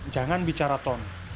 jangan bicara ton